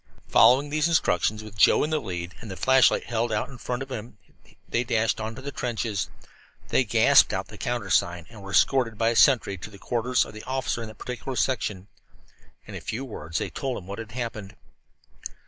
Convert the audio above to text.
Following these instructions, with Joe in the lead with the flashlight held out in front of him, they dashed on to the trenches. They gasped out the countersign, and were escorted by a sentry to the quarters of the officer of that particular section. In a few words they told him what had happened.